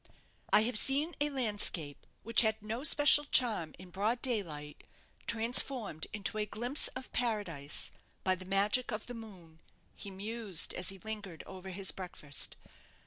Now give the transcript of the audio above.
"I have seen a landscape, which had no special charm in broad daylight, transformed into a glimpse of paradise by the magic of the moon," he mused as he lingered over his breakfast.